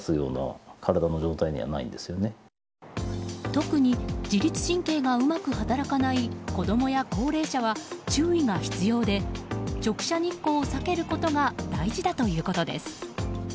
特に自律神経がうまく働かない子供や高齢者は注意が必要で直射日光を避けることが大事だということです。